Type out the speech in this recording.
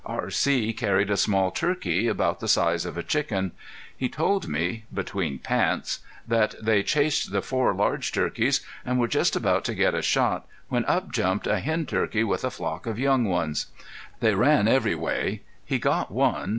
R.C. carried a small turkey, about the size of a chicken. He told me, between pants, that they chased the four large turkeys, and were just about to get a shot when up jumped a hen turkey with a flock of young ones. They ran every way. He got one.